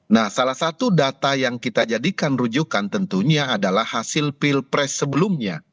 nah salah satu data yang kita jadikan rujukan tentunya adalah hasil pilpres sebelumnya